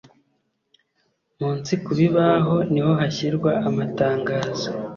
munsi ku bibaho niho hashyirwa amatangazo